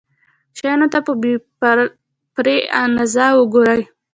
شيانو ته په بې پرې انداز وګوري.